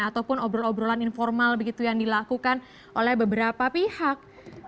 ataupun obrol obrolan informal begitu yang dilakukan oleh beberapa pihak